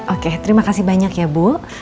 oke terima kasih banyak ya bu